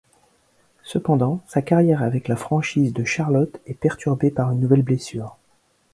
Cependant sa carrière avec la franchise de Charlotte est perturbée par une nouvelle blessure.